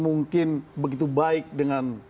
mungkin begitu baik dengan